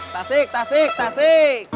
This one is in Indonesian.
tasik tasik tasik